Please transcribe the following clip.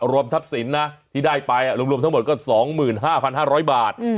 รวมทัพสินที่ได้ไปรวมทั้งหมดก็๒๕๕๐๐บาท